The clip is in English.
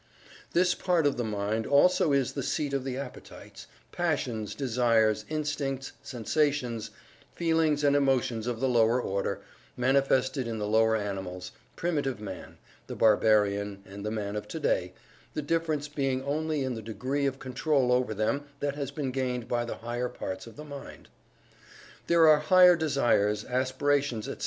This part of the mind also is the seat of the appetites; passions; desires; instincts; sensations; feelings and emotions of the lower order, manifested in the lower animals; primitive man; the barbarian; and the man of today, the difference being only in the degree of control over them that has been gained by the higher parts of the mind. There are higher desires, aspirations, etc.